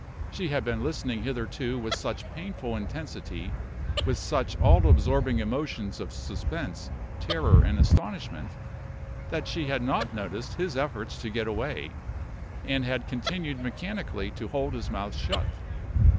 She had been listening hitherto with such painful intensity, with such all absorbing emotions of suspense, terror, and astonishment, that she had not noticed his efforts to get away, and had continued mechanically to hold his mouth shut.